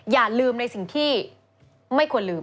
อย่าลืมในสิ่งที่ไม่ควรลืม